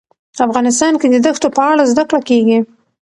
افغانستان کې د دښتو په اړه زده کړه کېږي.